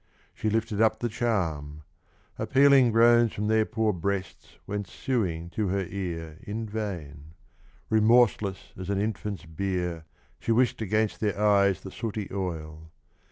She lifted up the charm : appealing groans From their piK)r breasts went sueing to her ear In vain; remorseless as an infant's bier She whisk'd against their eyes the sooty oil.